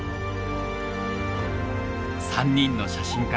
３人の写真家